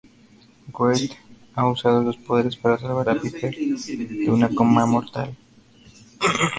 Wyatt ha usado sus poderes para salvar a Piper de un coma mortal.